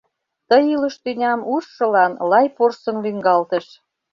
Ты илыш тӱням ужшылан — Лай порсын лӱҥгалтыш.